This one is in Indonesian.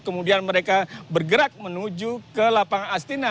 kemudian mereka bergerak menuju ke lapangan astina